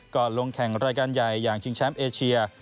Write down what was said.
ลงแข่งรายการใหญ่อย่างชิงแชมป์เอเชีย